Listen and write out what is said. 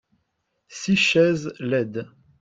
six chaises laides.